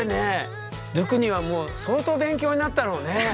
ドゥクニはもう相当勉強になったろうね。